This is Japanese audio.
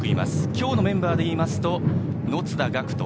今日のメンバーですと野津田岳人。